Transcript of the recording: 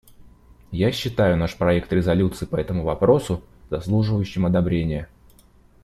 Я считаю наш проект резолюции по этому вопросу заслуживающим одобрения.